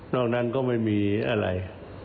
นอกนั้นก็ดีกว่าไม่มีอะไร